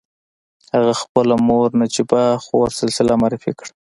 هغه خپله مور نجيبه خور سلسله معرفي کړه.